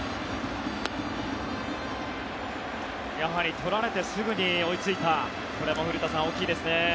取られてすぐに追いついたこれも古田さん、大きいですね。